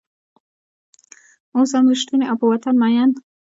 اوس هم رشتونی او په وطن مین